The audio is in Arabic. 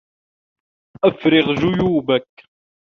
أفرغ جيوبك